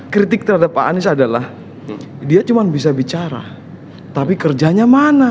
kritik terhadap pak anies adalah dia cuma bisa bicara tapi kerjanya mana